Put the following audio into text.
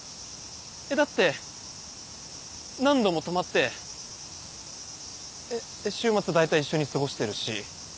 えっだって何度も泊まって週末大体一緒に過ごしてるし。